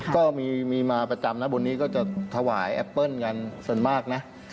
ก็มีมาประจำนะบนนี้ก็จะถวายแอปเปิ้ลกันส่วนมากนะ